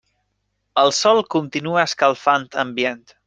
El sol continua escalfant ambient.